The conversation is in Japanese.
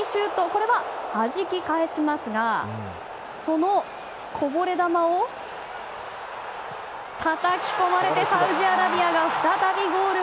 これは、はじき返しますがそのこぼれ球をたたき込まれてサウジアラビアが再びゴール。